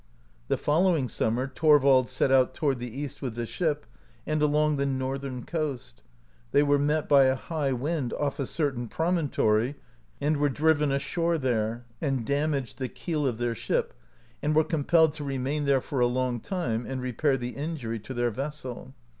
The following summer Thorvald set out toward the east with the ship, and along the northern coast. They were met by a high wind off a certain promontory, and were driven ashore there, and damaged the keel of their ship, and were compelled to re main there for a long time and repair the injury to their vessel.